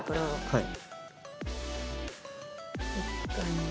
はい。